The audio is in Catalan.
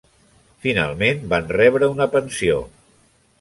Finalment van rebre una pensió.